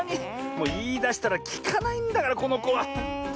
もういいだしたらきかないんだからこのこは。